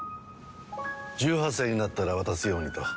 １８歳になったら渡すようにと。